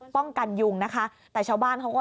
ป้องกันยุงนะคะแต่ชาวบ้านเขาก็